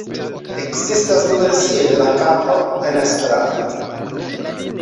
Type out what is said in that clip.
Ekzistas du versioj de la kanto en Esperanto.